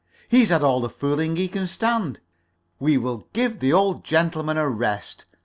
He's had all the fooling he can stand. We will give the old gentleman a rest!'